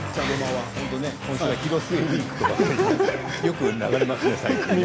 最近よく流れますね。